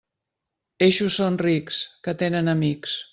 Eixos són rics, que tenen amics.